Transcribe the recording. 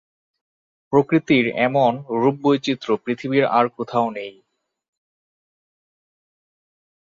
প্রকৃতির এমন রূপবৈচিত্র্য পৃথিবীর আর কোথাও নেই।